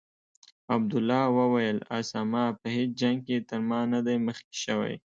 عبدالله وویل: اسامه په هیڅ جنګ کې تر ما نه دی مخکې شوی.